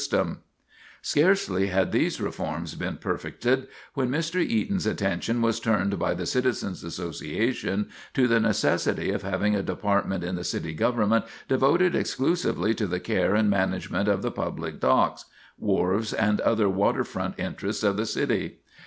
[Sidenote: Creation of a Dock Department] Scarcely had these reforms been perfected when Mr. Eaton's attention was turned by the Citizens' Association to the necessity of having a department in the city government devoted exclusively to the care and management of the public docks, wharves, and other water front interests of the city.